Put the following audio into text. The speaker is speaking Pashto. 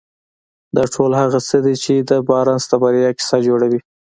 دا ټول هغه څه دي چې د بارنس د بريا کيسه جوړوي.